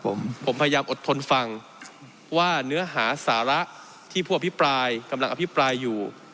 ผมผมพยายามอดทนฟังว่าเนื้อหาสาระที่ผู้อภิปรายกำลังอภิปรายอยู่